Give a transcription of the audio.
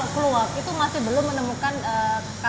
tapi kalau keluak itu masih belum menemukan kata kata yang benar